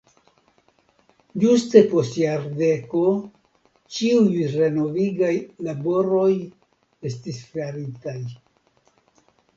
Ĝuste post jardeko ĉiuj renovigaj laboroj estis faritaj.